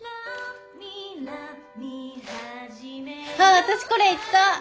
あ私これ行った。